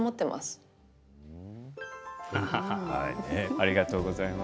ありがとうございます。